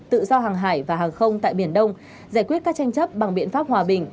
tự do hàng hải và hàng không tại biển đông giải quyết các tranh chấp bằng biện pháp hòa bình